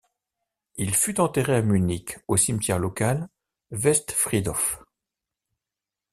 Il fut enterré à Munich au cimetière local Westfriedhof.